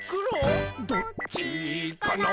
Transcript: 「どっちかな？」